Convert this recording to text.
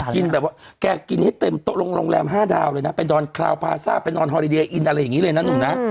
กินแบบว่าแกกินให้เต็มโต๊ะโรงแรม๕ดาวเลยนะไปนอนคราวพาซ่าไปนอนฮอริเดียอินอะไรอย่างนี้เลยนะหนุ่มนะ